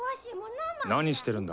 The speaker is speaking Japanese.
何してるんだ？